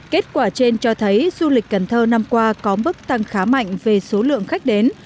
kết quả trên cho thấy du lịch cần thơ năm qua có mức tăng khá mạnh về số lượng khách đến